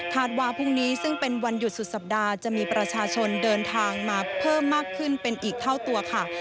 ว่าพรุ่งนี้ซึ่งเป็นวันหยุดสุดสัปดาห์จะมีประชาชนเดินทางมาเพิ่มมากขึ้นเป็นอีกเท่าตัวค่ะ